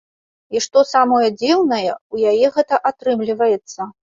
І што самае дзіўнае, у яе гэта атрымліваецца!